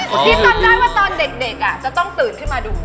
พี่จำได้ว่าตอนเด็กจะต้องตื่นขึ้นมาดู